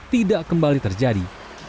tidak kembali terjadi